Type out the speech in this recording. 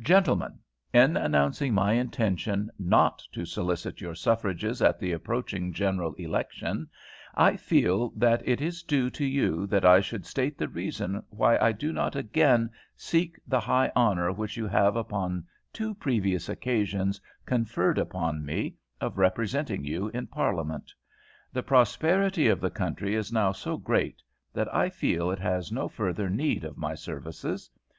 "GENTLEMEN, In announcing my intention not to solicit your suffrages at the approaching general election, I feel that it is due to you that I should state the reason why I do not again seek the high honour which you have upon two previous occasions conferred upon me, of representing you in Parliament. The prosperity of the country is now so great that I feel it has no further need of my services.